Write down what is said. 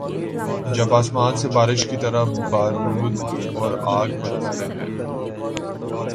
جب آسمان سے بارش کی طرح بارود اور آگ‘ برستے ہیں۔